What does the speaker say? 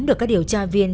được các điều tra viên